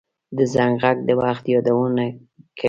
د زنګ غږ د وخت یادونه کوي